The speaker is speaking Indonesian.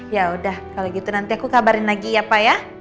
ya udah kalau gitu nanti aku kabarin lagi ya pak ya